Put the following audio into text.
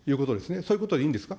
そういうことでいいんですか。